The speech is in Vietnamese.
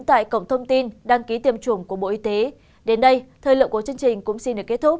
tại cổng thông tin đăng ký tiêm chủng của bộ y tế